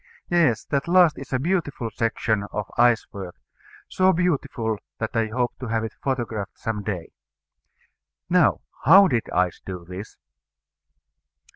Yes, that last is a beautiful section of ice work; so beautiful, that I hope to have it photographed some day. Now, how did ice do this?